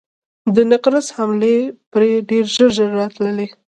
د نقرس حملې پرې ډېر ژر ژر راتلې.